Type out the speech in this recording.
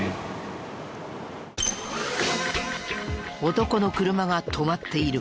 男の車が止まっている。